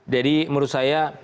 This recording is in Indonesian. jadi menurut saya